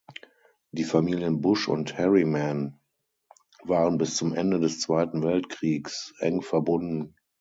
Die Familien Bush und Harriman waren bis zum Ende des Zweiten Weltkriegs eng verbunden.